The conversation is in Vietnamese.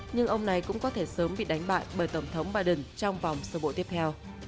nhưng ông này cũng có thể sớm bị đánh bại bởi tổng thống biden trong vòng sơ bộ tiếp theo